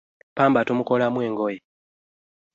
Ppamba tumukolamu engoye.